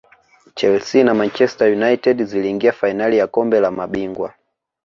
chelsea na manchester united ziliingia fainali ya kombe la mabingwa